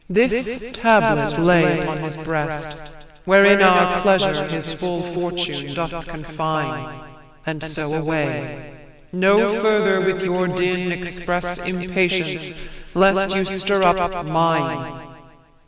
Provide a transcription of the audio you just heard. This tablet lay upon his breast, wherein Our pleasure his full fortune doth confine; And so, away; no farther with your din Express impatience, lest you stir up mine.